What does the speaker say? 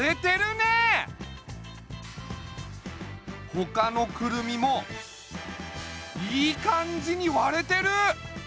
ほかのクルミもいい感じに割れてる！